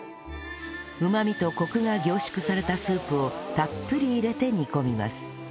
うまみとコクが凝縮されたスープをたっぷり入れて煮込みます